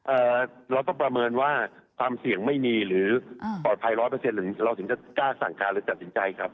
เอ่อเราต้องประเมินว่าความเสี่ยงไม่มีหรืออ่าปลอดภัยร้อยเปอร์เซ็นหรือเราถึงจะกล้าสั่งการหรือตัดสินใจครับ